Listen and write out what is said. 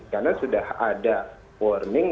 karena sudah ada warning